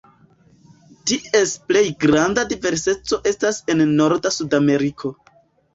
Ties plej granda diverseco estas en norda Sudameriko.